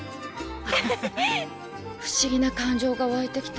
不思議な感情がわいてきた。